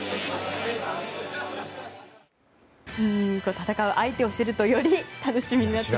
戦う相手を知るとより楽しみになってきます。